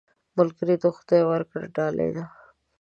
ملګری د خدای ورکړه ډالۍ ده